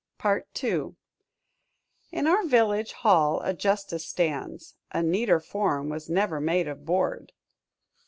II "In our village hall a Justice stands: A neater form was never made of board."